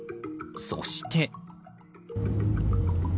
そして。